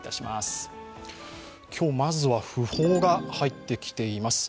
まずは訃報が入ってきています。